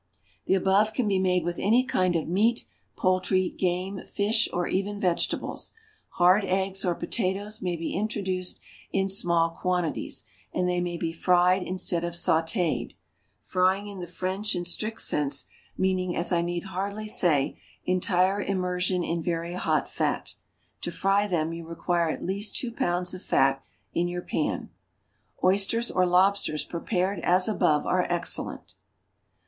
The above can be made with any kind of meat, poultry, game, fish, or even vegetables; hard eggs, or potatoes, may be introduced in small quantities, and they may be fried instead of sautéed (frying in the French and strict sense, meaning as I need hardly say, entire immersion in very hot fat). To fry them you require at least two pounds of fat in your pan. Oysters or lobsters prepared as above are excellent.